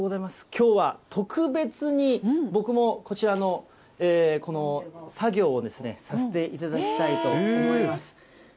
きょうは特別に僕もこちらのこの作業をですね、させていただきたいと思います。